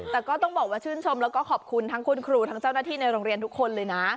แต่ก็ต้องบอกว่าชื่นชมแล้วก็ขอบคุณทั้งคุณครูทั้งเจ้าหน้าที่ในโรงเรียนทุกคนเลยนะ